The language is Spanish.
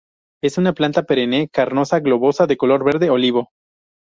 Es una planta perenne carnosa y globosa, de color verde olivo.